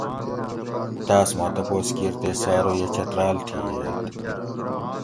تاۤس ما تپوس کِیر تے سہۤ ارو یہۤ چتراۤل تھی ییت